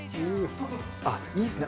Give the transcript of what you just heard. あっいいですね。